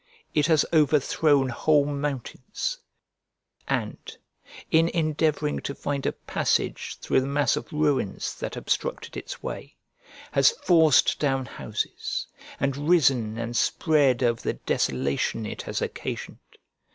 It has overthrown whole mountains, and, in endeavouring to find a passage through the mass of ruins that obstructed its way, has forced down houses, and risen and spread over the desolation it has occasioned.